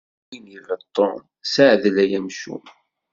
A win ibeṭṭun, ssaɛdel ay amcum!